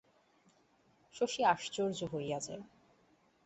শশী আশ্চর্য হইয়া যায়।